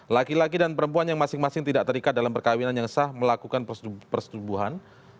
laki laki dan perempuan yang masing masing tidak terikat dalam perkawinan yang sah melakukan persetubuhan